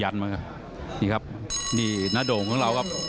ยัลมั้งนี่ครับนี่นัดด่งของเรากับ